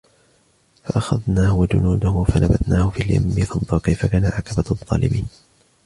فأخذناه وجنوده فنبذناهم في اليم فانظر كيف كان عاقبة الظالمين